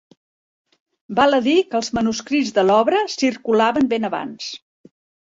Val a dir que els manuscrits de l'obra circulaven ben abans.